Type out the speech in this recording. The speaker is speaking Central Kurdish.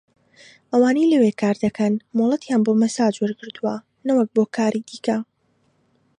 ئەوانەی لەوێ کاردەکەن مۆڵەتیان بۆ مەساج وەرگرتووە نەوەک کاری دیکە